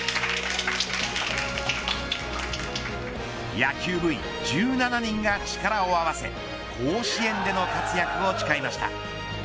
野球部員１７人が力を合わせ甲子園での活躍を誓いました。